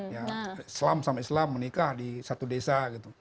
ya islam sama islam menikah di satu desa gitu